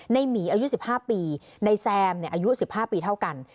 หมีอายุ๑๕ปีในแซมอายุ๑๕ปีเท่ากัน